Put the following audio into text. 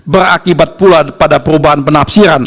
berakibat pula pada perubahan penafsiran